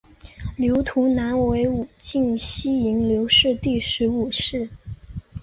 刘图南为武进西营刘氏第十五世。